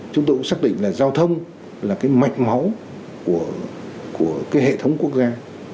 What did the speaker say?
chúng tôi cũng xác định là giao thông là mạch máu của hệ thống quốc gia